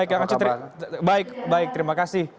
baik kang cetri baik baik terima kasih